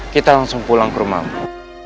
kita langsung pulang ke rumahmu